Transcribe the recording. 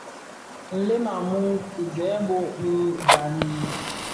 Nlem a mum ki zerbo, bi bag wii,